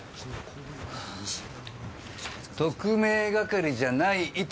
特命係じゃない伊丹！